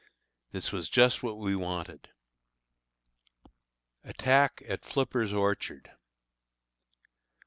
This was just what we wanted. ATTACK AT FLIPPER'S ORCHARD.